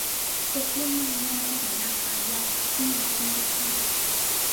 Soplinma ñampi rinaka yapa kinku kinku kan.